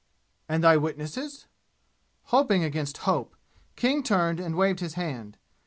"And thy witnesses?" Hoping against hope, King turned and waved his hand.